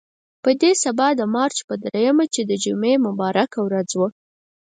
په دې سبا د مارچ په درېیمه چې د جمعې مبارکه ورځ وه.